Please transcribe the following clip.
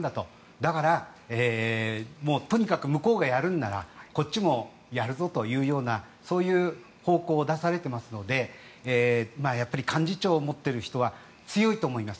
だからとにかく向こうがやるならこっちもやるぞというそういう方向を出されていますので幹事長を持っている人は強いと思います。